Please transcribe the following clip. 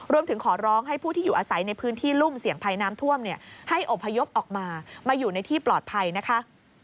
ขอร้องให้ผู้ที่อยู่อาศัยในพื้นที่รุ่มเสี่ยงภัยน้ำท่วมให้อบพยพออกมามาอยู่ในที่ปลอดภัยนะคะ